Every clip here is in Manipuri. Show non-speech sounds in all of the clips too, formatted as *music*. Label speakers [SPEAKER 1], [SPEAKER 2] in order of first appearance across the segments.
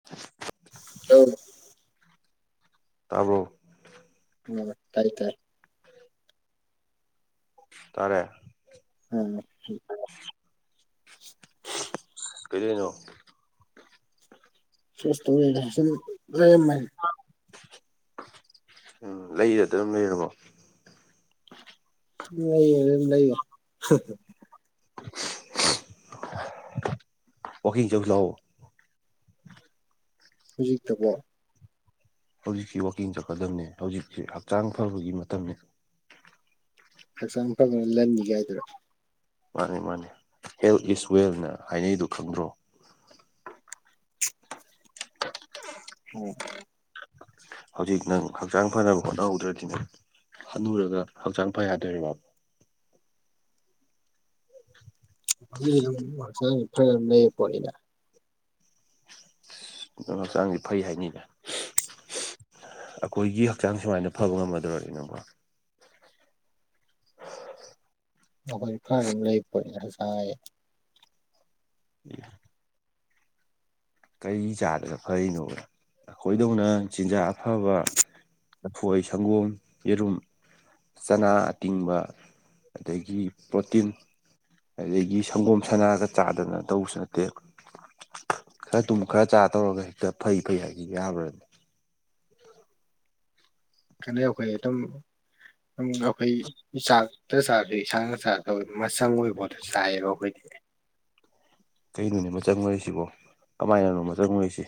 [SPEAKER 1] *inaudible*
[SPEAKER 2] *unintelligible*
[SPEAKER 1] ꯇꯥꯕ꯭ꯔꯣ
[SPEAKER 2] ꯎꯝ ꯇꯥꯗꯤ ꯇꯥꯔꯦ
[SPEAKER 1] ꯇꯥꯔꯦ
[SPEAKER 2] *unintelligible* *inaudible*
[SPEAKER 1] ꯀꯩꯗꯩꯅꯣ
[SPEAKER 2] *unintelligible* ꯂꯩꯥꯔꯝꯃꯦ
[SPEAKER 1] ꯎꯝ ꯂꯩꯔ ꯑꯗꯨꯝ ꯂꯩꯔꯕꯣ
[SPEAKER 2] ꯂꯩꯌꯦ ꯂꯩꯒ ꯍ ꯍ
[SPEAKER 1] ꯋꯥꯀꯤꯡ ꯆꯧꯁꯤ ꯂꯥꯑꯣ
[SPEAKER 2] ꯍꯧꯖꯤꯛꯇꯕꯣ
[SPEAKER 1] ꯍꯧꯖꯤꯛꯁꯤ ꯋꯥꯛꯀꯤꯡ ꯆꯠꯀꯗꯝꯅꯦ ꯍꯧꯖꯤꯛꯁꯤ ꯍꯛꯆꯥꯡ ꯐꯕꯒꯤ ꯃꯇꯝꯅꯦ
[SPEAKER 2] ꯍꯛꯆꯥꯡ ꯐꯕꯅ ꯂꯟꯅꯤ ꯒꯥꯢꯗꯨꯔ
[SPEAKER 1] ꯃꯥꯅꯤ ꯃꯥꯅꯦ ꯍꯦꯜꯠ ꯏꯁ ꯋꯦꯜꯅ ꯍꯥꯢꯅꯩꯗꯣ ꯈꯪꯗ꯭ꯔꯣ
[SPEAKER 2] ꯎꯝ
[SPEAKER 1] ꯍꯧꯖꯤꯛ ꯅꯪ ꯍꯛꯆꯥꯡ ꯐꯅꯕ ꯍꯣꯠꯅꯍꯧꯗ꯭ꯔꯗꯤꯅꯦ ꯍꯅꯨꯔꯒ ꯍꯛꯆꯥꯡ ꯐ ꯌꯥꯗꯣꯢꯔꯤꯕ
[SPEAKER 2] *unintelligible* ꯍꯛꯆꯥꯡꯁꯦ ꯐꯅ ꯂꯩꯕ ꯄꯣꯠꯅꯤꯅꯦ
[SPEAKER 1] ꯑꯗꯨ ꯍꯛꯆꯥꯡꯗꯤ ꯐꯩ ꯍꯥꯢꯅꯤꯅꯦ ꯑꯀꯣꯢꯒꯤ ꯍꯛꯆꯥꯡ ꯁꯨꯃꯥꯢꯅ ꯐꯕ ꯉꯝꯃꯗꯧꯔꯅꯦ ꯅꯪꯕꯣ
[SPEAKER 2] ꯑꯩꯈꯣꯏ ꯐꯔ ꯂꯩꯝ *unintelligible*
[SPEAKER 1] *unintelligible* ꯀꯔꯤ ꯆꯥꯗꯅ ꯐꯔꯤꯅꯣꯕ ꯑꯈꯣꯢꯗꯧꯅ ꯆꯤꯟꯖꯥꯛ ꯑꯐꯕ ꯂꯐꯣꯢ ꯁꯪꯒꯣꯝ ꯌꯦꯔꯨꯝ ꯆꯅꯥ ꯑꯇꯤꯡꯕ ꯑꯗꯒꯤ ꯄ꯭ꯔꯣꯇꯤꯟ ꯑꯗꯒꯤ ꯁꯪꯒꯣꯝ ꯁꯅꯥꯒ ꯆꯥꯗꯅ ꯇꯧꯕꯁꯨ ꯅꯠꯇꯦ ꯈ꯭ꯔ ꯇꯨꯝ ꯈꯔ ꯆꯥ ꯇꯧꯔꯒ ꯍꯦꯛꯇ ꯐꯩ ꯐꯩ ꯍꯥꯏꯕꯖꯤ ꯌꯥꯕ꯭ꯔꯥꯅꯦ
[SPEAKER 2] ꯈꯟꯗꯦ ꯑꯈꯣꯏ ꯑꯗꯨꯝ *unintelligible* ꯆꯥꯛꯇ ꯆꯥꯕꯗꯤ ꯌꯦꯟꯁꯥꯡꯅ ꯆꯥꯗꯧ ꯃꯆꯪ ꯑꯣꯏꯕ ꯄꯣꯠꯇꯣ ꯆꯥꯏꯌꯦꯕ ꯑꯈꯣꯏꯗꯤ
[SPEAKER 1] ꯀꯩꯅꯣꯅꯦ ꯃꯆꯪ ꯑꯣꯏꯔꯤꯁꯤꯕꯣ ꯀꯃꯥꯏꯅꯅꯣ ꯃꯆꯪ ꯑꯣꯏꯔꯤꯁꯤ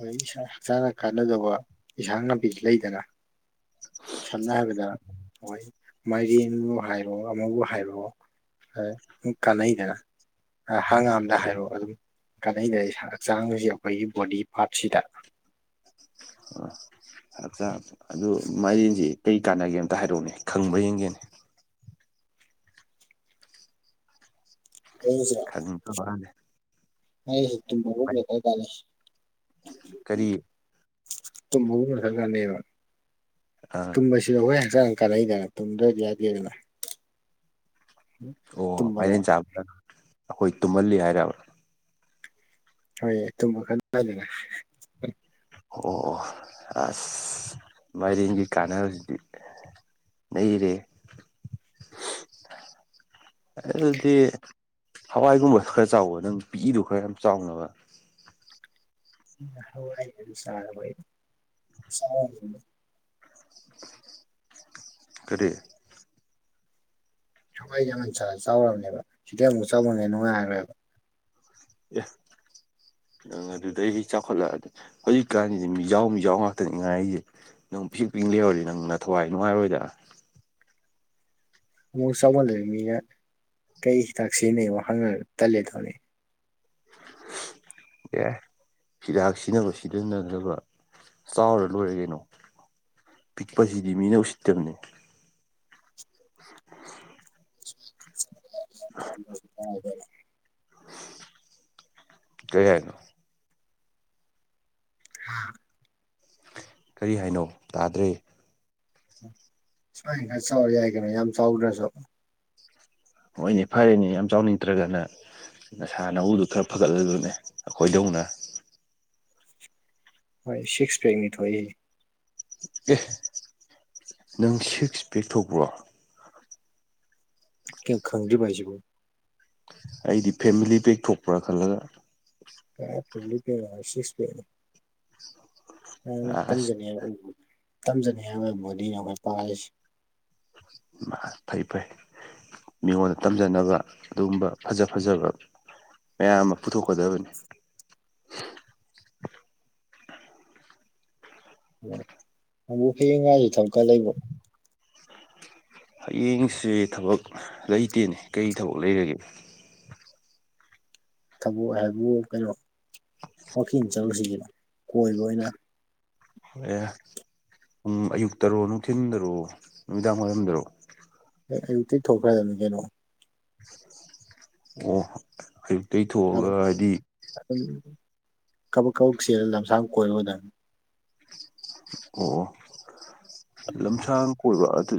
[SPEAKER 2] ꯍꯣꯏ ꯏꯁꯥ ꯍꯛꯆꯥꯡꯅ ꯀꯥꯟꯅꯗꯧꯕ ꯏꯁꯥꯡ ꯅꯥꯄꯤ ꯂꯩꯗꯅ
[SPEAKER 1] *unintelligible*
[SPEAKER 2] ꯁꯝꯅ ꯍꯥꯏꯕꯗ ꯍꯣꯏ ꯃꯥꯏꯔꯦꯟꯕꯨ ꯍꯥꯏꯔꯣ ꯑꯃꯕꯨ ꯍꯥꯏꯔꯣ ꯑ *unintelligible* ꯀꯥꯟꯅꯩꯗꯅ ꯍ ꯍꯪꯒꯥꯝꯗ ꯍꯥꯏꯔꯣ ꯑꯗꯨꯝ ꯀꯅꯩꯗꯅ ꯢꯁꯥ ꯍꯛꯆꯥꯡꯒꯁꯤ ꯑꯈꯣꯏꯒꯤ ꯕꯣꯗꯤ ꯄꯥꯔꯠꯁꯤꯗ
[SPEAKER 1] ꯑ ꯍꯛꯆꯥꯡ ꯑꯗꯨ ꯃꯥꯏꯔꯦꯟꯖꯤ ꯀꯩ ꯀꯥꯟꯅꯒꯦ ꯑꯃꯇ ꯍꯥꯏꯔꯛꯎꯅꯦ ꯈꯪꯕ ꯌꯦꯡꯒꯦꯅꯦ
[SPEAKER 2] ꯃꯥꯢꯔꯦꯟꯖꯤꯔꯣ
[SPEAKER 1] ꯈꯪꯗꯕꯋꯥꯅꯦ
[SPEAKER 2] ꯃꯥꯢꯔꯦꯟꯁꯤ ꯇꯨꯝꯕꯒꯨꯝꯕꯗ ꯈ꯭ꯔ ꯀꯥꯅꯩ
[SPEAKER 1] ꯀꯔꯤ
[SPEAKER 2] ꯇꯨꯝꯕꯒꯨꯝꯕꯗ ꯈ꯭ꯔ ꯀꯥꯅꯩꯌꯦꯕ
[SPEAKER 1] ꯑꯥ
[SPEAKER 2] ꯇꯨꯝꯕꯁꯤꯗ ꯑꯈꯣꯏ ꯍꯛꯆꯥꯡ ꯀꯥꯟꯅꯩꯗꯅ ꯇꯨꯝꯗ꯭ꯔꯗꯤ ꯌꯥꯗꯦꯗꯅ *inaudible*
[SPEAKER 1] ꯑꯣ
[SPEAKER 2] ꯇꯨꯝꯕꯗ
[SPEAKER 1] ꯃꯥꯏꯔꯦꯟ ꯆꯥꯕꯅ ꯑꯈꯣꯏ ꯇꯨꯝꯍꯜꯂꯤ ꯍꯥꯏꯔꯕ꯭ꯔꯥ
[SPEAKER 2] ꯍꯣꯏꯌꯦ ꯇꯨꯝꯕ ꯈ ꯅꯨꯉꯥꯢꯗꯅ
[SPEAKER 1] ꯑꯣ ꯑꯣ ꯑꯁ ꯃꯥꯏꯔꯦꯟꯒꯤ ꯀꯥꯟꯅꯕꯁꯤꯗꯤ ꯂꯩꯔꯦ *unintelligible* ꯑꯗꯨꯗꯤ ꯍꯋꯥꯏꯒꯨꯝꯕ ꯈ꯭ꯔ ꯆꯥꯎꯑꯣ ꯅꯪ ꯄꯤꯛꯏꯗꯨ ꯈꯔ ꯌꯥꯝ ꯆꯥꯎꯅꯕ
[SPEAKER 2] ꯍꯋꯥꯏꯗꯨ ꯆꯥꯔꯕꯣꯡ ꯑꯩ ꯆꯥꯎ *unintelligible*
[SPEAKER 1] *unintelligible* ꯀꯔꯤ
[SPEAKER 2] ꯍꯋꯥꯏ ꯌꯥꯃꯟ ꯆꯥꯗ ꯆꯥꯎꯔꯕꯅꯦꯕ ꯁꯤꯗꯩ ꯑꯃꯨꯛ ꯆꯥꯎꯃꯟꯒꯤ ꯅꯨꯡꯉꯥꯏꯔꯔꯣꯢꯕ
[SPEAKER 1] ꯑꯦ ꯅꯪ ꯑꯗꯨꯗꯒꯤ ꯆꯥꯎꯈꯠꯂꯛꯑꯗꯤ ꯍꯧꯖꯤꯛꯀꯥꯟꯒꯤꯗꯤ ꯃꯤꯖꯥꯎ ꯃꯤꯖꯥꯎ ꯉꯥꯛꯇꯅꯤ ꯉꯥꯏꯔꯤꯖꯦ ꯅꯪ ꯄꯤꯁꯤꯛ ꯄꯤꯛ ꯂꯩꯍꯧꯔꯗꯤ ꯅꯪ ꯅꯊꯋꯥꯏ ꯅꯨꯡꯉꯥꯏꯔꯣꯏꯗ
[SPEAKER 2] ꯑꯃꯨꯛ ꯆꯥꯎꯃꯜꯂꯦ ꯃꯤꯅ ꯀꯩ ꯍꯤꯗꯥꯛ ꯁꯤꯖꯤꯟꯅꯩ ꯃꯨꯛ ꯍꯪꯉꯛꯑꯗꯝ ꯇꯜꯂꯦ ꯇꯧꯅꯤ
[SPEAKER 1] ꯑꯦ ꯍꯤꯗꯥꯛ ꯁꯤꯖꯤꯟꯅꯕ ꯁꯤꯖꯤꯟꯅꯗꯕ ꯆꯥꯎꯔ ꯂꯣꯏꯔꯦ ꯀꯩꯅꯣ ꯄꯤꯛꯄꯁꯤꯗꯤ ꯃꯤꯅ ꯎꯁꯤꯠꯇꯕꯅꯤ
[SPEAKER 2] *unintelligible*
[SPEAKER 1] *unintelligible* ꯀꯩ ꯍꯥꯏꯅꯣ
[SPEAKER 2] ꯍꯥꯥ
[SPEAKER 1] ꯀꯔꯤ ꯍꯥꯏꯅꯣ ꯇꯥꯗ꯭ꯔꯦ
[SPEAKER 2] ꯁꯨꯃꯥꯏꯟ ꯈꯔ ꯆꯥꯎꯔ ꯌꯥꯏ ꯀꯩꯅꯣ ꯌꯥꯝ ꯆꯥꯎꯗ꯭ꯔꯁꯨ
[SPEAKER 1] ꯍꯣꯏꯅꯦ ꯐꯔꯦꯅꯦ ꯌꯥꯝ ꯆꯥꯎꯅꯤꯡꯇ꯭ꯔꯒꯅ ꯅꯁꯥ ꯅꯎꯗꯨ ꯈꯔ ꯐꯒꯠꯍꯜꯂꯨꯅꯦ ꯑꯈꯣꯏꯗꯧꯅ
[SPEAKER 2] ꯈꯣꯏ ꯁꯤꯛꯁ ꯄꯦꯛꯅꯤ ꯊꯣꯛꯏ
[SPEAKER 1] ꯑꯦ ꯅꯪ ꯁꯤꯛꯁ ꯄꯦꯛ ꯊꯣꯛꯕ꯭ꯔꯣ
[SPEAKER 2] ꯀꯦꯝ ꯈꯪꯗ꯭ꯔꯤꯕꯨ ꯍꯥꯏꯁꯤꯕꯨ
[SPEAKER 1] ꯑꯩꯗꯤ ꯐꯦꯃꯤꯂꯤ ꯄꯦꯛ ꯊꯣꯛꯄ꯭ꯔꯥ ꯈꯜꯂꯒ
[SPEAKER 2] *unintelligible* ꯁꯤꯛꯁ ꯄꯦꯛ
[SPEAKER 1] ꯑꯁ
[SPEAKER 2] ꯇꯝꯖꯅꯦꯌꯦ ꯑꯣꯏꯕꯨ ꯇꯝꯖꯅꯤꯡꯉꯥꯏ ꯑꯩ ꯕꯣꯗꯤꯅꯦ ꯑꯩꯈꯣꯏ ꯄꯥꯜꯂꯤꯁꯤ
[SPEAKER 1] ꯃꯥꯠ ꯐꯩ ꯐꯩ ꯃꯤꯉꯣꯟꯗ ꯇꯝꯖꯅꯕ ꯑꯗꯨꯒꯨꯝꯕ ꯐꯖ ꯐꯖꯕ ꯃꯌꯥꯝ ꯑꯃ ꯄꯨꯊꯣꯛꯀꯗꯕꯅꯤ
[SPEAKER 2] ꯑꯃꯨꯛ ꯍꯥꯏꯌꯦꯡ ꯉꯥꯏꯔꯤ ꯊꯕꯛꯀ ꯂꯩꯕꯣ
[SPEAKER 1] ꯍꯌꯦꯡꯁꯦ ꯊꯕꯛ ꯂꯩꯇꯦꯅꯦ ꯀꯔꯤ ꯊꯕꯛ ꯂꯩꯔꯒꯦ
[SPEAKER 2] ꯊꯕꯣꯛ ꯍꯥꯏꯕꯨ ꯀꯩꯅꯣ ꯋꯥꯛꯀꯤꯡ ꯆꯠꯂꯨꯁꯤꯒꯤꯅꯣ ꯀꯣꯏꯕ ꯑꯣꯏꯅ
[SPEAKER 1] ꯑꯦ ꯎꯝ ꯑꯌꯨꯛꯛꯇꯔꯣ ꯅꯨꯡꯊꯤꯟꯗꯔꯣ ꯅꯨꯃꯤꯗꯥꯡ ꯋꯥꯏꯔꯝꯗꯔꯣ
[SPEAKER 2] ꯑꯦ ꯑꯌꯨꯛꯇꯤ ꯊꯣꯛꯈ꯭ꯔꯗꯕꯅꯤ ꯀꯩꯅꯣ
[SPEAKER 1] ꯑꯣ ꯑꯌꯨꯛꯇꯩ ꯊꯣꯛꯑꯒ ꯍꯥꯏꯗꯤ
[SPEAKER 2] ꯑꯗꯨꯝ ꯀꯕꯛ ꯀꯕꯛ ꯆꯦꯜ ꯂꯝꯁꯥꯡ ꯀꯣꯏꯕ ꯑꯣꯏꯅꯥ
[SPEAKER 1] ꯑꯣ ꯂꯝꯁꯥꯡ ꯀꯣꯏꯕ ꯑꯗꯨ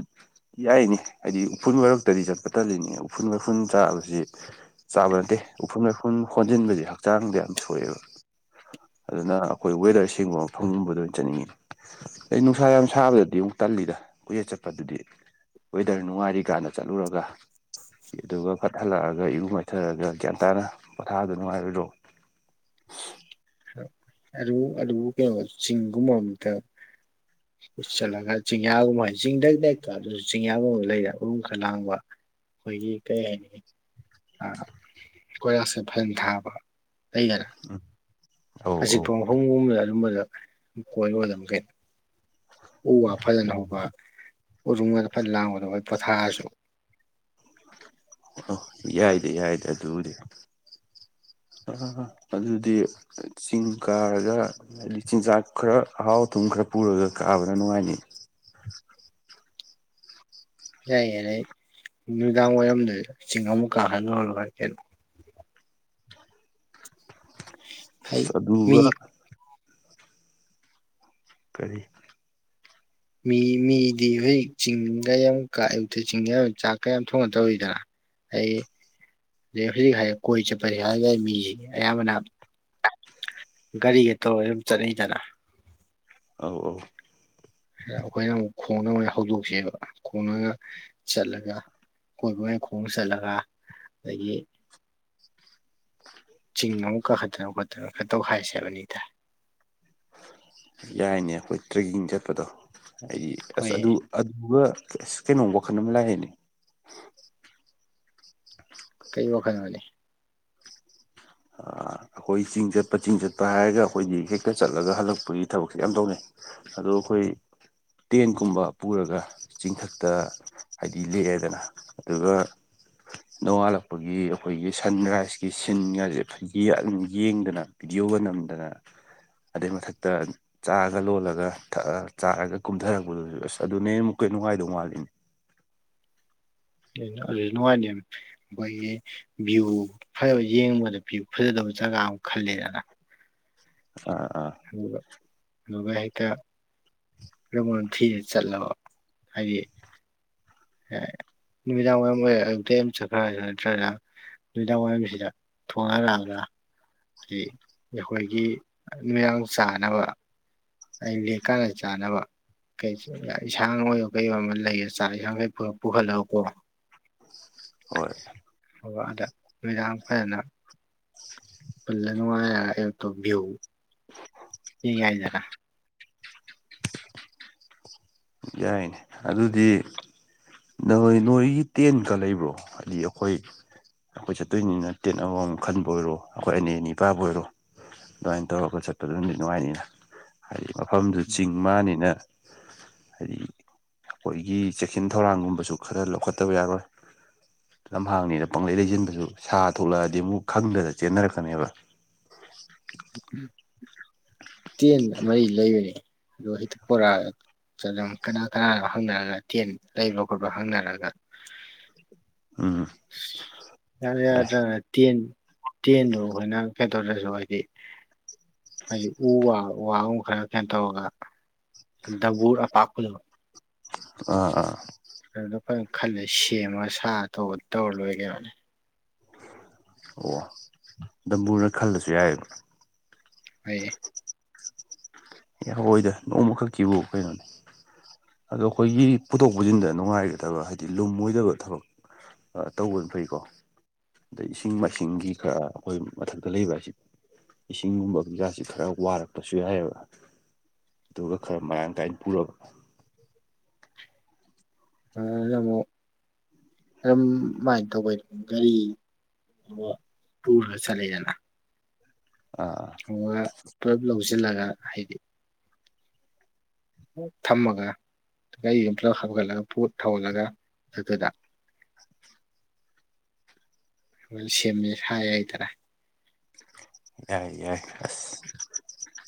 [SPEAKER 1] ꯌꯥꯏꯌꯦꯅꯦ ꯍꯥꯏꯗꯤ ꯎꯐꯨꯜ ꯃꯔꯛꯇꯗꯤ ꯆꯠꯄ ꯇꯜꯂꯤꯅꯤ ꯎꯐꯨꯜ ꯃꯔꯐꯨꯟ ꯆꯥꯕꯁꯤ ꯆꯥꯕ ꯑꯟꯇꯦ ꯎꯐꯨꯟ ꯋꯥꯏꯐꯨꯟ ꯍꯣꯟꯖꯤꯟꯕꯁꯦ ꯍꯛꯆꯥꯡꯗ ꯌꯥꯝ ꯁꯣꯛꯑꯦꯕ ꯑꯗꯨꯅ ꯑꯩꯈꯣꯏ ꯋꯦꯗꯔ ꯁꯦꯡꯕ ꯃꯐꯝꯒꯨꯝꯕꯗ ꯆꯠꯅꯤꯡꯉꯤ ꯑꯩ ꯅꯨꯡꯁꯥ ꯌꯥꯝ ꯁꯥꯕꯗꯗꯤ ꯑꯃꯨꯛ ꯇꯜꯂꯤꯗ ꯀꯨꯏꯌꯦꯠ ꯆꯠꯄꯗꯨꯗꯤ ꯋꯦꯗꯔ ꯅꯨꯡꯉꯥꯏꯔꯤ ꯀꯥꯟꯗ ꯆꯠꯂꯨꯔꯒ ꯏꯗꯨꯒ ꯐꯠ ꯍꯜꯂꯛꯑꯒ ꯏꯔꯨ ꯃꯥꯏꯊꯔꯒ ꯒ꯭ꯌꯥꯟ ꯇꯥꯅ ꯄꯣꯊꯥꯗꯨ ꯅꯨꯡꯉꯥꯏꯔꯣꯏꯗ꯭ꯔꯣ *unintelligible*
[SPEAKER 2] ꯑꯗꯨ ꯑꯗꯨꯀꯣ ꯆꯤꯡꯒꯨꯝꯕ ꯑꯝꯇ
[SPEAKER 1] *inaudible*
[SPEAKER 2] ꯎꯠꯆꯥꯜꯂꯒ ꯆꯤꯡꯌꯥꯒꯨꯝꯃꯥꯏ ꯆꯤꯡꯗꯩꯩꯗꯩ *unintelligible* ꯆꯤꯡꯌꯥꯒꯨꯝꯕ ꯂꯩꯔ ꯎꯔꯨꯝ ꯈ ꯂꯥꯡꯕ ꯈꯣꯏꯒꯤ ꯀꯩ ꯍꯥꯏꯅꯤ ꯑ ꯀꯣꯏꯂꯥꯁꯁꯦ ꯐꯌꯟ ꯊꯥꯕ ꯑꯩꯒ
[SPEAKER 1] ꯍꯨꯝ
[SPEAKER 2] ꯑꯖꯤꯛꯄ ꯃꯐꯝꯒꯨꯝꯕꯗ ꯑꯗꯨꯝꯕꯗ ꯀꯣꯏꯔꯣꯗꯃꯤ ꯀꯩꯅꯣ ꯎ ꯋꯥ ꯐꯖꯟꯅ ꯍꯧꯕ ꯎꯔꯨꯡꯉꯗ ꯐꯖꯟ ꯂꯥꯡꯕꯗꯣ ꯒꯥ ꯄꯣꯊꯥꯔꯁꯨ
[SPEAKER 1] ꯑ ꯌꯥꯏꯗ ꯌꯥꯏꯗ ꯑꯗꯨꯕꯨꯗꯤ ꯑꯥꯍꯥ ꯍꯥ ꯑꯗꯨꯗꯤ ꯆꯤꯡ ꯀꯥꯔꯒ ꯍꯥꯏꯗꯤ ꯆꯤꯟꯖꯥꯛ ꯈꯔ ꯍꯥꯎ ꯊꯨꯝ ꯈꯔ ꯄꯨꯔꯒ ꯀꯥꯕꯅ ꯅꯨꯡꯉꯥꯏꯅꯤ
[SPEAKER 2] ꯌꯥꯏꯌꯦꯗꯩ ꯅꯨꯡꯗꯥꯡ ꯋꯥꯏꯔꯝꯗ ꯆꯤꯡ ꯑꯃꯨꯛ ꯀꯥꯍꯜꯂꯨꯔꯒ ꯅꯨꯪꯉꯥꯏ ꯀꯩꯅꯣ ꯑꯩ
[SPEAKER 1] ꯆꯠꯂꯨꯕꯥ
[SPEAKER 2] ꯃꯤ
[SPEAKER 1] ꯀꯔꯤ
[SPEAKER 2] ꯃꯤ ꯃꯤꯗꯤ ꯍꯧꯖꯤꯛ ꯆꯤꯡꯒ ꯌꯥꯝ ꯀꯥꯢ ꯌꯨꯛꯇ ꯆꯤꯡꯌꯥ ꯆꯥꯛꯀ ꯑꯝ ꯊꯣꯡꯉꯥ ꯇꯧꯌꯤꯗ ꯑꯩ ꯍꯨꯖꯤ ꯍꯥꯏ ꯀꯣꯏ ꯆꯠꯄꯅꯦ ꯍꯥꯏ ꯌꯥꯢ ꯃꯤꯖꯤꯡꯌꯦ ꯑꯌꯥꯝꯕꯅ ꯒꯥꯔꯤꯒ ꯇꯧꯔ ꯗꯨꯝ ꯆꯠꯅꯩꯗꯅ
[SPEAKER 1] ꯑꯧ ꯑꯧ
[SPEAKER 2] ꯑꯩꯈꯣꯏꯅ ꯑꯃꯨꯛ ꯈꯣꯡꯅ ꯃꯣꯢ ꯍꯧꯗꯣꯛꯁꯦꯕ ꯈꯣꯡꯅꯒ ꯆꯠꯂꯒ ꯀꯣꯏꯕꯑꯣꯢ ꯈꯣꯡ ꯆꯠꯂꯒ ꯑꯗꯒꯤ ꯆꯤꯡ ꯅꯥꯎ ꯀꯥꯈꯠꯇꯅ ꯈꯣꯠꯇꯅ ꯈꯇꯧꯈ ꯍꯥꯏꯁꯦ ꯕꯅꯤ ꯇꯥꯏ
[SPEAKER 1] ꯌꯥꯏꯅꯦ ꯑꯈꯣꯏ ꯇ꯭ꯔꯦꯛꯀꯤꯡ ꯆꯠꯄꯗꯣ ꯑꯩꯒꯤ ꯑꯁ
[SPEAKER 2] ꯑꯩꯈꯣꯏ
[SPEAKER 1] ꯑꯗꯨ ꯑꯗꯨꯒ ꯑꯁ ꯀꯩꯅꯣꯝ ꯋꯥꯈꯜ ꯑꯃ ꯂꯥꯛꯑꯦꯅꯦ *inaudible*
[SPEAKER 2] ꯀꯩ ꯋꯥꯈꯟꯅꯣꯅꯦ
[SPEAKER 1] ꯑ ꯑꯈꯣꯏ ꯆꯤꯡ ꯆꯠꯄ ꯆꯤꯡ ꯆꯠꯄ ꯍꯥꯏꯔꯒ ꯑꯈꯣꯏꯗꯤ ꯍꯦꯛꯇ ꯆꯠꯂꯒ ꯍꯜꯂꯛꯄꯒꯤ ꯊꯕꯛꯁꯦ ꯌꯥꯝ ꯇꯧꯅꯩ ꯑꯗꯣ ꯑꯈꯣꯏ ꯇꯦꯟꯀꯨꯝꯕ ꯄꯨꯔꯒ ꯆꯤꯡꯊꯛꯇ ꯍꯥꯏꯗꯤ ꯂꯦꯛꯑꯦꯗꯅ ꯑꯗꯨꯒ ꯅꯣꯡꯉꯥꯜꯂꯛꯄꯒꯤ ꯑꯈꯣꯏꯒꯤ ꯁꯟꯔꯥꯏꯁꯀꯤ ꯁꯤꯟꯒꯖꯦ ꯌꯦ ꯌꯦꯡꯗꯅ ꯚꯤꯗꯤꯑꯣꯒ ꯅꯝꯗꯅ ꯑꯗꯩ ꯃꯊꯛꯇ ꯆꯥꯒ ꯂꯣꯜꯂꯒ ꯊꯛꯑ ꯆꯥꯔꯒ ꯀꯨꯝꯊꯔꯛꯄꯗꯨꯁꯨ ꯑꯁ ꯑꯗꯨꯅ ꯍꯦꯟ ꯑꯃꯨꯛꯀ ꯅꯨꯡꯉꯥꯏꯗꯧ ꯃꯥꯜꯂꯤꯅꯤ
[SPEAKER 2] ꯑꯗꯨꯖꯨ ꯅꯨꯡꯉꯥꯏꯅꯤꯝ ꯃꯣꯏꯒꯤ ꯚ꯭ꯌꯨ ꯐꯖꯕ ꯌꯦꯡꯕꯗ ꯚꯌꯨ ꯐꯖꯗꯕ ꯖꯒꯥ ꯑꯝ ꯈꯜꯂꯦꯗꯅ
[SPEAKER 1] ꯑꯥ ꯑꯥ
[SPEAKER 2] ꯑꯗꯨꯒ ꯑꯗꯨꯒ ꯍꯦꯛꯇ ꯆꯠꯂꯕ ꯍꯥꯏꯗꯤ ꯅꯨꯃꯤꯗꯥꯡ ꯋꯥꯏꯔꯝ ꯑꯣꯏꯔ ꯑꯇꯩ ꯑꯝ ꯅꯨꯃꯤꯗꯥꯡ ꯋꯥꯏꯔꯝꯁꯤꯗ ꯊꯣꯡꯉꯒ ꯂꯥꯛꯑꯒ ꯑꯈꯣꯏꯒꯤ ꯅꯨꯃꯤꯗꯥꯡ ꯆꯥꯅꯕ ꯑꯩ ꯂꯦꯀꯥꯅ ꯆꯥꯅꯕ *unintelligible*
[SPEAKER 1] ꯍꯣꯏ
[SPEAKER 2] ꯍꯣꯕ ꯍꯟꯗꯛ ꯅꯨꯃꯤꯗꯥꯡ ꯐꯖꯅ ꯄꯨꯜꯂ ꯅꯨꯡꯉꯥꯢꯔ ꯑꯌꯨꯛꯇ ꯕ꯭ꯌꯨ
[SPEAKER 1] *inaudible*
[SPEAKER 2] ꯄꯤ ꯌꯥꯢꯗꯅ
[SPEAKER 1] ꯌꯥꯏꯅꯦ ꯑꯗꯨꯗꯤ ꯅꯣꯏ ꯅꯣꯏꯒꯤ ꯇꯦꯟꯀ ꯂꯩꯕ꯭ꯔꯣ ꯍꯥꯏꯗꯤ ꯑꯈꯣꯏ ꯑꯈꯣꯏ ꯆꯠꯇꯣꯏꯅꯤꯅ ꯇꯦꯟ ꯑꯃꯃꯝ ꯈꯟꯕꯨ ꯑꯣꯏꯔꯣ ꯑꯈꯣꯏ ꯑꯅꯤ ꯑꯅꯤ ꯄꯥꯕꯨ ꯑꯣꯏꯔꯣ ꯑꯗꯨꯃꯥꯏꯅ ꯇꯧꯔꯒ ꯆꯠꯄꯗꯨ ꯅꯨꯗꯤ ꯅꯨꯡꯉꯥꯏꯅꯤꯅ ꯍꯥꯏꯗꯤ ꯃꯐꯝꯗꯨ ꯆꯤꯡ ꯃꯥꯅꯤꯅ ꯍꯥꯏꯗꯤ ꯑꯈꯣꯏꯒꯤ ꯆꯦꯛꯁꯤꯟ ꯊꯧꯔꯥꯡ ꯊꯧꯔꯥꯡꯒꯨꯝꯕꯁꯨ ꯈꯔ ꯂꯧꯈꯠꯇꯕ ꯌꯥꯔꯣꯏ ꯂꯝꯍꯥꯡꯅꯤꯅ ꯄꯪꯂꯩ ꯂꯩꯖꯤꯟꯕꯁꯨ ꯁꯥ ꯊꯣꯛꯂꯛꯑꯗꯤ ꯑꯃꯨꯛ ꯈꯪꯗꯅ ꯆꯦꯟꯅꯔꯛꯀꯅꯦꯕ
[SPEAKER 2] ꯇꯦꯟ ꯑꯃꯩ ꯂꯩꯕꯅꯤ ꯑꯗꯣ ꯍꯦꯛꯇ ꯄꯣꯔꯥꯑꯒꯦ ꯀꯅꯥ ꯀꯅꯥꯅꯣ ꯍꯪꯅꯔꯒ ꯇꯦꯟ ꯂꯩꯕ ꯈꯣꯠꯄ ꯍꯪꯅꯔꯒ
[SPEAKER 1] ꯎꯝ
[SPEAKER 2] ꯌꯥꯗꯔꯥ
[SPEAKER 1] ꯌꯥꯏ
[SPEAKER 2] ꯌꯥꯗ꯭ꯔꯒ ꯇꯦꯟ ꯇꯦꯟꯗꯨ ꯑꯈꯣꯏꯅ ꯀꯩꯗꯧꯔꯖꯨ ꯍꯥꯏꯗꯤ ꯍꯥꯏꯗꯤ ꯎꯋꯥ ꯎꯋꯥꯒꯨꯝꯕ ꯈꯔ ꯀꯩꯅꯣ ꯇꯧꯔꯒ ꯗꯕꯨꯔ ꯑꯄꯥꯛꯄꯗꯣ
[SPEAKER 1] ꯑꯥ ꯑꯥ
[SPEAKER 2] ꯑꯗꯨꯗꯣ ꯑꯈꯣꯏꯅ ꯈꯜꯂꯦ ꯁꯦꯝꯃꯒ ꯁꯥ ꯑ ꯇꯧꯕ ꯇꯧꯔ ꯂꯣꯏꯔꯦ ꯀꯩꯅꯣꯅꯤ
[SPEAKER 1] ꯑꯣ ꯗꯝꯕꯨꯔꯅ ꯈꯜꯂꯁꯨ ꯌꯥꯏꯌꯦꯕ
[SPEAKER 2] *unintelligible*
[SPEAKER 1] ꯑꯦ ꯍꯣꯏꯗ ꯅꯣꯡꯃꯈꯛꯀꯤꯕꯨ ꯀꯩꯅꯣꯅꯦ ꯑꯗꯣ ꯑꯈꯣꯏꯒꯤ ꯄꯨꯊꯣꯛ ꯄꯨꯁꯤꯟꯗ ꯅꯨꯡꯉꯥꯏꯒꯗꯕ ꯍꯥꯏꯗꯤ ꯂꯨꯝꯃꯣꯏꯗꯕ ꯊꯕꯛ ꯇꯧꯕꯅ ꯐꯩꯀꯣ ꯑꯗꯩ ꯏꯁꯤꯡ ꯃꯥꯏꯁꯤꯡꯒꯤ ꯈꯔ ꯑꯈꯣꯏ ꯃꯊꯛꯇ ꯂꯩꯕ ꯍꯥꯏꯁꯤ ꯏꯁꯤꯡꯒꯨꯝꯕꯒꯤꯖꯥꯠꯁꯤ ꯈꯔ ꯋꯥꯔꯛꯄꯁꯨ ꯌꯥꯏꯑꯦꯕ ꯑꯗꯨꯒ ꯈꯔ ꯃꯔꯥꯡ ꯀꯥꯏꯅ ꯄꯨꯔꯕ
[SPEAKER 2] ꯑꯗꯨꯗ ꯑꯃꯨꯛ ꯑꯗꯨꯝ ꯀꯃꯥꯏꯅ ꯇꯧꯕꯩ ꯒꯥꯔꯤ ꯄꯨꯔꯒ ꯆꯠꯂꯦꯗꯅ
[SPEAKER 1] ꯑꯥ
[SPEAKER 2] ꯊꯣꯡꯒ ꯄꯨꯂꯞ ꯂꯧꯖꯤꯜꯂꯒ ꯍꯥꯏꯗꯤ ꯊꯝꯃꯒ ꯑꯩꯒꯥꯔꯤꯒ ꯄꯨꯂꯞ ꯍꯥꯞꯒꯠꯂꯒ ꯄꯨꯠ ꯊꯧꯍꯜꯂꯒ ꯑꯗꯨꯗ ꯁꯦꯝꯃꯦ ꯍꯥꯏ ꯍꯥꯏꯗꯔꯥ
[SPEAKER 1] ꯌꯥꯏ ꯌꯥꯏ ꯑꯁ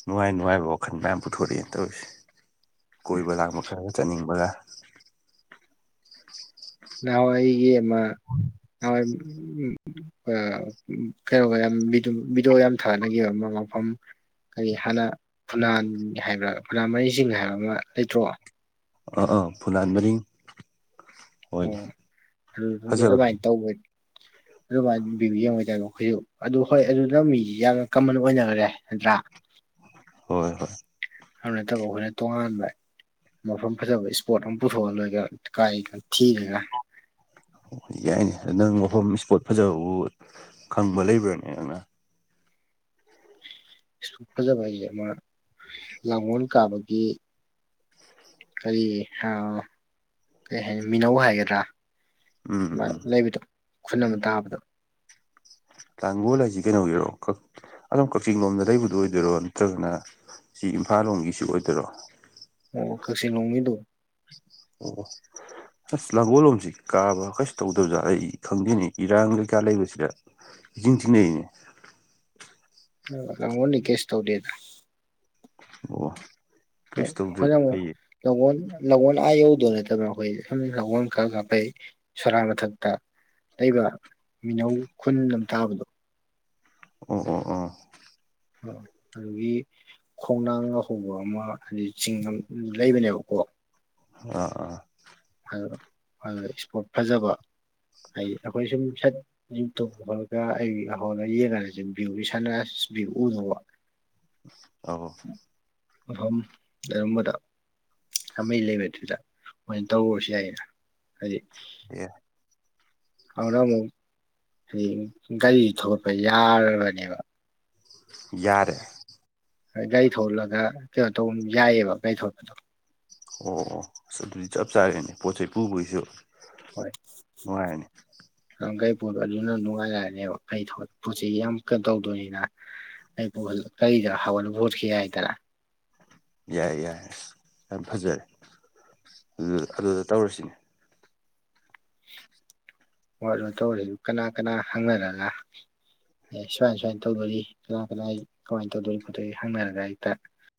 [SPEAKER 1] ꯅꯨꯡꯉꯥꯏ ꯅꯨꯡꯉꯥꯏꯕ ꯋꯥꯈꯜꯒ ꯌꯥꯝ ꯄꯨꯊꯣꯔꯛꯑꯦ ꯇꯧꯔꯤꯁꯦ ꯀꯣꯏꯕ ꯂꯥꯡꯕ ꯈꯔꯒ ꯆꯠꯅꯤꯡꯕꯒ
[SPEAKER 2] ꯅꯍꯥꯋꯥꯏꯒꯤ ꯑꯃ ꯅꯍꯋꯥꯏ ꯑꯥ ꯎꯝ ꯀꯩꯅꯣꯒ ꯌꯥꯝ ꯚꯤꯗꯤ ꯚꯤꯗꯤꯑꯣ ꯌꯥꯝ ꯊꯥꯒꯠꯅꯈꯤꯕ ꯑꯃ ꯃꯐꯝ ꯀꯔꯤ ꯍꯥꯟꯅ ꯐꯨꯅꯥꯟ ꯍꯥꯏꯕ꯭ꯔꯥ ꯐꯨꯅꯥꯟ ꯃꯔꯤꯡꯆꯤꯡ ꯍꯥꯏꯕ ꯑꯃ ꯂꯩꯇ꯭ꯔꯣ
[SPEAKER 1] ꯑꯥ ꯑꯥ ꯐꯨꯅꯥꯟ ꯃꯔꯤꯡ ꯍꯣꯏꯅꯦ
[SPEAKER 2] ꯑꯣ ꯑꯗꯨꯗꯗꯤ
[SPEAKER 1] ꯐꯖꯕ
[SPEAKER 2] ꯑꯗꯨꯃꯥꯏꯟ ꯇꯧꯕꯅꯤ
[SPEAKER 1] *inaudible*
[SPEAKER 2] ꯑꯗꯨꯃꯥꯏꯟ ꯚꯤꯕꯤ ꯌꯦꯡꯕꯩ ꯇꯥꯏꯞꯇ ꯑꯩꯈꯣꯏꯁꯨ ꯑꯗꯨ ꯍꯣꯏ ꯑꯗꯨꯅ ꯃꯤꯁꯤ ꯌꯥꯝꯅ ꯀꯃꯟ ꯑꯣꯏꯅꯈ꯭ꯔꯦ ꯅꯠꯇ꯭ꯔꯥ
[SPEAKER 1] ꯍꯣꯏ ꯍꯣꯏ
[SPEAKER 2] ꯑꯗꯨ ꯅꯠꯇꯕ ꯑꯩꯈꯣꯏꯅ ꯇꯣꯉꯥꯟꯕ ꯃꯐꯝ ꯐꯖꯕ ꯏꯁꯄꯣꯠ ꯑꯃ ꯄꯨꯊꯣꯛꯑ ꯂꯣꯏ ꯀꯩꯅꯣ ꯀꯥꯏ ꯊꯤꯔꯒ
[SPEAKER 1] ꯑꯣ ꯌꯥꯏꯅꯦ ꯅꯪ ꯃꯐꯝ ꯏꯁꯄꯣꯠ ꯐꯖꯕꯕꯨ ꯈꯪꯕ ꯂꯩꯕ꯭ꯔꯅꯦ ꯅꯪꯅ
[SPEAKER 2] ꯁꯛ ꯐꯖꯕ ꯍꯥꯏꯖꯦ ꯑꯃ ꯂꯥꯡꯉꯣꯜ ꯀꯥꯕꯒꯤ ꯀꯔꯤ ꯍꯥꯎ ꯀꯔꯤ ꯍꯥꯏꯅꯤ ꯃꯤꯅꯧ ꯍꯥꯏꯒꯗ꯭ꯔꯥ
[SPEAKER 1] ꯎꯝ
[SPEAKER 2] ꯃꯥ
[SPEAKER 1] ꯎꯝ
[SPEAKER 2] ꯂꯩꯕꯗꯣ ꯈꯨꯟ ꯑꯃ ꯇꯥꯕꯗꯣ
[SPEAKER 1] ꯂꯥꯡꯒꯣꯜ ꯍꯥꯏꯁꯤ ꯀꯩꯅꯣꯒꯤꯔꯣ ꯑꯗꯨꯝ ꯀꯛꯆꯤꯡ ꯂꯣꯝꯗ ꯂꯩꯕꯗꯨ ꯑꯣꯏꯗꯣꯏꯔꯣ ꯅꯠꯇ꯭ꯔꯒꯅ ꯁꯤ ꯏꯝꯐꯥꯜ ꯂꯣꯝꯒꯤꯁꯤ ꯑꯣꯏꯗꯣꯏꯔꯣ
[SPEAKER 2] ꯑꯣ ꯀꯛꯆꯤꯡ ꯂꯣꯝꯒꯤꯗꯣ
[SPEAKER 1] ꯑꯣ ꯑꯣ ꯑꯁ ꯂꯥꯡꯒꯣꯜ ꯂꯣꯝꯁꯤ ꯀꯥꯕ ꯀꯩꯁꯨ ꯇꯧꯗꯕꯖꯥꯠꯂ ꯑꯩ ꯈꯪꯗꯦꯅꯦ ꯏꯔꯥꯡ ꯀꯩꯀꯥ ꯂꯩꯕꯁꯤꯗ ꯢꯆꯤꯡ ꯆꯤꯡꯅꯩꯅꯦ
[SPEAKER 2] ꯑ ꯂꯥꯡꯒꯣꯟꯗꯤ ꯀꯦꯁꯨ ꯇꯧꯗꯦꯗ
[SPEAKER 1] ꯑꯣ ꯀꯩꯁꯨ ꯇꯧꯗ꯭ꯔꯦ
[SPEAKER 2] ꯍꯣꯢꯗꯃꯣ
[SPEAKER 1] ꯐꯩꯌꯦ
[SPEAKER 2] ꯂꯒꯣꯟ ꯂꯒꯣꯟ ꯑꯥ ꯌꯧꯗꯣ ꯅꯠꯇꯕꯅ ꯑꯈꯣꯏꯗꯤ ꯁꯒꯣꯟ ꯈꯔ ꯀꯥꯞꯄꯩ ꯁꯣꯔꯥ ꯃꯊꯛꯇ ꯂꯩꯕ ꯃꯤꯅꯧ ꯈꯨꯟ ꯂꯝ ꯇꯥꯕꯗꯣ
[SPEAKER 1] ꯑꯣ ꯑꯣ ꯑꯣ
[SPEAKER 2] ꯑꯣ ꯑꯗꯨꯒꯤ ꯈꯣꯡꯅꯥꯡꯒ ꯍꯧꯕ ꯑꯃ ꯍꯥꯏꯗꯤ ꯆꯤꯡ ꯑꯝ ꯂꯩꯕꯅꯦꯕꯀꯣ
[SPEAKER 1] ꯑꯥ ꯑꯥ
[SPEAKER 2] *unintelligible* ꯑꯥ ꯑꯥ ꯏꯁꯄꯣꯠ ꯐꯖꯕ ꯍꯥꯏꯗꯤ ꯑꯩꯈꯣꯏ ꯁꯨꯝ ꯁꯠ ꯌꯨꯝ ꯇꯣꯡ ꯍꯧꯔꯒ ꯑꯩ ꯍꯧꯂ ꯌꯦꯡꯉꯖꯤ ꯕ꯭ꯌꯨꯋꯤ ꯁꯥꯟꯅ ꯕ꯭ꯌꯨ ꯎꯗꯧꯕ
[SPEAKER 1] ꯑꯧꯕꯨ
[SPEAKER 2] ꯃꯐꯝ ꯂꯩꯔꯝꯕꯗ ꯊꯃꯩ ꯂꯩꯕꯗꯨꯗ ꯃꯣꯏꯅ ꯇꯧꯔꯨꯔꯁꯤ ꯌꯥꯏꯌꯦ ꯍꯥꯏꯗꯤ
[SPEAKER 1] ꯑꯦ
[SPEAKER 2] ꯑꯗꯨꯅ ꯑꯃꯨꯛ ꯍꯥꯏꯗꯤ ꯒꯥꯔꯤ ꯊꯧꯒꯠꯄ ꯌꯥꯔꯕꯅꯦꯕ
[SPEAKER 1] ꯌꯥꯔꯦ
[SPEAKER 2] ꯒꯥꯔꯤ ꯊꯧꯍꯟꯂꯒ ꯀꯩꯅꯣ ꯇꯧꯕ ꯌꯥꯏꯌꯦꯕ ꯒꯥꯔꯤ ꯊꯧꯄꯗꯣ
[SPEAKER 1] ꯑꯣ ꯑꯣ ꯑꯁ ꯑꯗꯨꯗꯤ ꯆꯞ ꯆꯥꯔꯦꯅꯦ ꯄꯣꯠ ꯆꯩꯩ ꯄꯨꯕꯩꯁꯨ
[SPEAKER 2] ꯍꯣꯏ ꯉꯍꯟꯒꯩ ꯐꯣꯟꯗꯣ ꯑꯅꯤꯅꯥ ꯅꯨꯡꯉꯥꯏ ꯌꯥꯔꯅꯦꯕ ꯀꯩ ꯊꯣꯠ ꯄꯨꯟꯁꯤꯒꯤ ꯑꯝꯇ ꯇꯧꯗꯣꯏꯅꯤꯅ ꯑꯩꯕꯣꯜ ꯑꯩꯗ ꯍꯋꯥ *unintelligible* ꯌꯥꯢꯗ
[SPEAKER 1] ꯌꯥꯏ ꯌꯥꯏ ꯑꯁ ꯌꯥꯝ ꯐꯖꯔꯦ ꯑꯗꯨ ꯑꯗꯨꯗ ꯇꯧꯔꯁꯤꯅꯦ
[SPEAKER 2] ꯋꯥꯠ ꯑꯣꯏ ꯇꯧꯔꯖꯤ ꯀꯅꯥ ꯀꯅꯥ ꯍꯪꯅꯔꯒ ꯑꯦ ꯁꯨꯃꯥꯏꯟ ꯁꯨꯃꯥꯏꯟ ꯇꯧꯗꯣꯔꯤ ꯀꯅꯥ ꯀꯅꯥ ꯀꯃꯥꯏꯟ ꯇꯧꯗꯣꯔꯤ ꯈꯣꯠꯇꯣꯔꯤ ꯍꯪꯅꯔꯒ ꯍꯦꯛꯇ